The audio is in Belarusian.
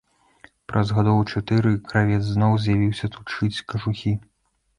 Праз гадоў чатыры кравец зноў з'явіўся тут шыць кажухі.